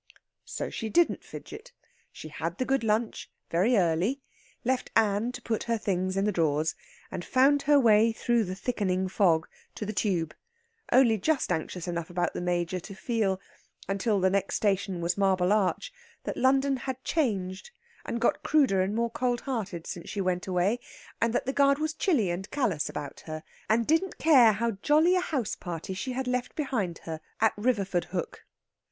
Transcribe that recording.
So she didn't fidget. She had the good lunch very early, left Ann to put back her things in the drawers, and found her way through the thickening fog to the Tube, only just anxious enough about the Major to feel, until the next station was Marble Arch, that London had changed and got cruder and more cold hearted since she went away, and that the guard was chilly and callous about her, and didn't care how jolly a house party she had left behind her at Riverfordhook.